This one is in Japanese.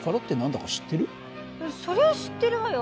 そりゃ知ってるわよ。